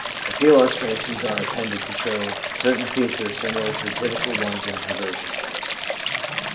A few illustrations are appended to show certain features similar to the typical ones in conversion.